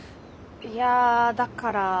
いやだから。